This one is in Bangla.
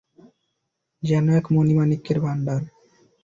যেন এক মণি মাণিক্যের ভাণ্ডার।